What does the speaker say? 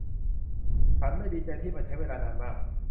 ฉันไม่ดีใจที่มันใช้เวลานานมาก